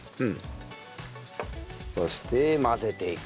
そして混ぜていく。